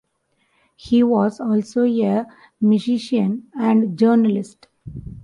He was also a musician and journalist.